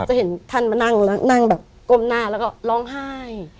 จะเห็นท่านมานั่งแบบก้มหน้าแล้วก็ร้องไห้